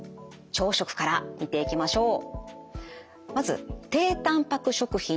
朝食から見ていきましょう。